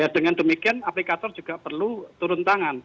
dengan demikian aplikator juga perlu turun tangan